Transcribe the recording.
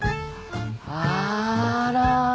あら。